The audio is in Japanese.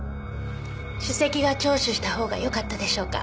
首席が聴取した方がよかったでしょうか？